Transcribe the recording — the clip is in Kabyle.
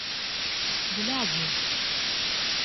D laɛǧeb!